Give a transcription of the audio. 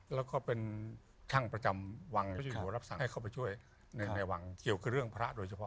แล้วก็เป็นช่างประจำวังเจ้าหัวรับสั่งให้เข้าไปช่วยในวังเกี่ยวคือเรื่องพระโดยเฉพาะ